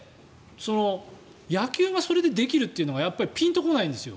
野球がそれでできるというのがピンとこないんですよ。